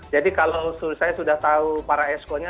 jadi kalau saya sudah tahu para esko nya